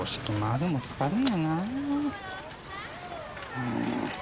うん。